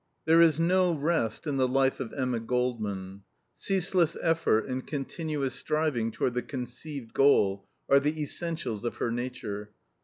There is no rest in the life of Emma Goldman. Ceaseless effort and continuous striving toward the conceived goal are the essentials of her nature.